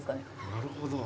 なるほど。